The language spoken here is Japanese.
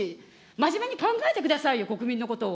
真面目に考えてくださいよ、国民のことを。